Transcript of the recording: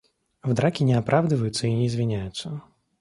В драке не оправдываются и не извиняются.